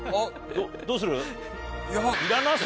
どうする？